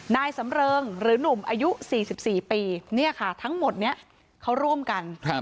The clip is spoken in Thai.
นายสำเริงหรือหนุ่มอายุ๔๔ปีเนี่ยค่ะทั้งหมดนี้เขาร่วมกัน